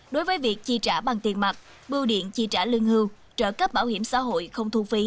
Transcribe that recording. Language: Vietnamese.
đối với việc chi trả bằng tiền mặt bưu điện chi trả lương hưu trợ cấp bảo hiểm xã hội không thu phí